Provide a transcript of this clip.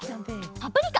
パプリカ！